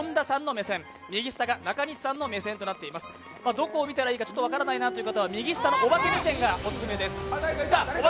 どこを見たらいいか分からない方は右下のオバケ目線がオススメです。